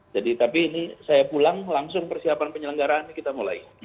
jadi tapi ini saya pulang langsung persiapan penyelenggaraan ini kita mulai